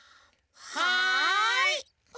はい！